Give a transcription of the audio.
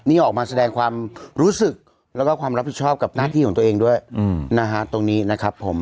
นี่ออกมาแสดงความรู้สึกแล้วก็ความรับผิดชอบกับหน้าที่ของตัวเองด้วยนะฮะตรงนี้นะครับผม